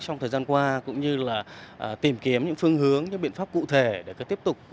trong thời gian qua cũng như là tìm kiếm những phương hướng những biện pháp cụ thể để tiếp tục